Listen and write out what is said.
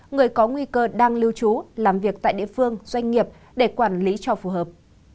người có nguy cơ đang lưu trú làm việc tại địa phương doanh nghiệp để quản lý cho phù hợp